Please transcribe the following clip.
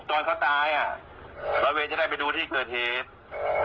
ตอนเขาตายเราจะได้ไปดูที่เกิดเหตุ